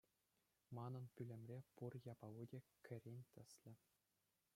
Манӑн пӳлӗмре пур япали те кӗрен тӗслӗ.